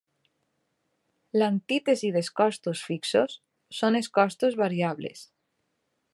L'antítesi dels costos fixos són els costos variables.